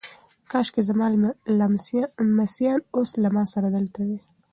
کاشکي زما لمسیان اوس له ما سره دلته وای.